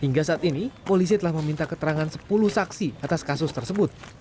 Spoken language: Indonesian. hingga saat ini polisi telah meminta keterangan sepuluh saksi atas kasus tersebut